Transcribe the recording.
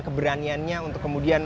keberaniannya untuk kemudian